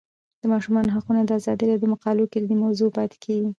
د ماشومانو حقونه د ازادي راډیو د مقالو کلیدي موضوع پاتې شوی.